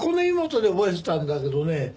湯本で覚えてたんだけどね